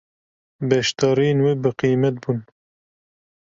Beşdariyên wê bi qîmet bûn.